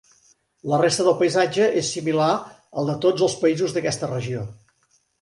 La resta del paisatge és similar al de tots els països d'aquesta regió.